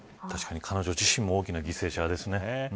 確かに、彼女自身も大きな犠牲者ですね。